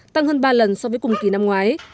tăng hơn ba lần so với cùng kỳ năm ngoái